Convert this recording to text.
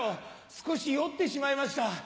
少し酔ってしまいました。